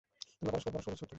তোমরা পরস্পর পরস্পরের শত্রু।